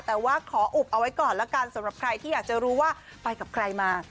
แต่ว่าขออุบเอาไว้ก่อนละกันสำหรับใครที่อยากจะรู้ว่าไปกับใครมา